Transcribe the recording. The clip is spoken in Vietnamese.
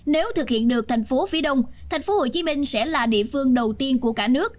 nếu thực hiện được tp phía đông tp hcm sẽ là địa phương đầu tiên của cả nước